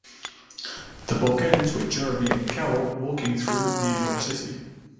The book ends with Jeremy and Carol walking through New York City.